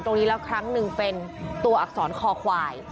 ตรงนี้แล้วครั้งหนึ่งเป็นตัวอักษรคอควาย